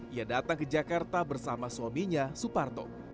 ia datang ke jakarta bersama suaminya suparto